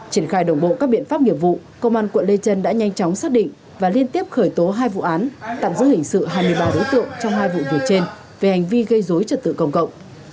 triển khai đồng bộ các biện pháp nghiệp vụ công an quận lê trân đã nhanh chóng xác định và liên tiếp khởi tố hai vụ án tạm giữ hình sự hai mươi ba đối tượng trong hai vụ việc trên về hành vi gây dối trật tự công cộng